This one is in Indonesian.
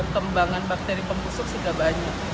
kembangan bakteri pembusuk sudah banyak